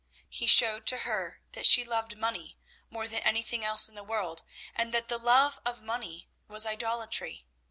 He showed to her that she loved money more than anything else in the world, and that the love of money was idolatry.